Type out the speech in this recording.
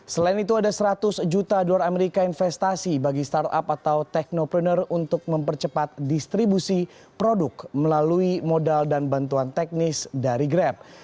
selain itu ada seratus juta dolar amerika investasi bagi startup atau teknopreneur untuk mempercepat distribusi produk melalui modal dan bantuan teknis dari grab